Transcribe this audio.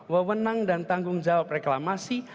wewenang dan tanggung jawab reklamasi